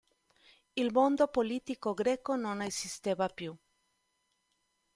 Il mondo politico greco non esisteva più.